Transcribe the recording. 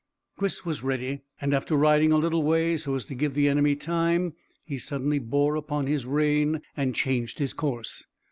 Chris was ready, and after riding a little way so as to give the enemy time, he suddenly bore upon his rein and changed his course.